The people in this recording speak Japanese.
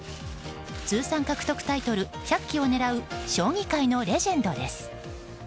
通算獲得タイトル１００期を狙う将棋界のレジェンドです。